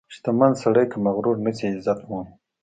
• شتمن سړی که مغرور نشي، عزت مومي.